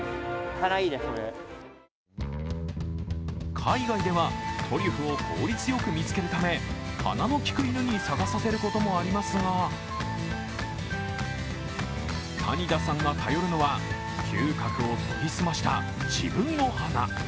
海外ではトリュフを効率よく見つけるため鼻の利く犬に探させることもありますが、谷田さんが頼るのは、嗅覚を研ぎ澄ました自分の鼻。